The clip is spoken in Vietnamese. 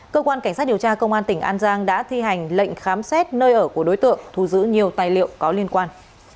cơ quan cảnh sát điều tra công an tỉnh an giang đã thi hành lệnh khám xét nơi ở của đối tượng thu giữ nhiều tài liệu có liên quan